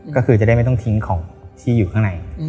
ก็คือจะได้ไม่ต้องทิ้งของที่อยู่ข้างใน